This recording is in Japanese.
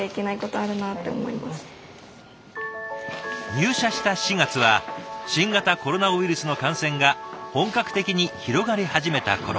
入社した４月は新型コロナウイルスの感染が本格的に広がり始めた頃。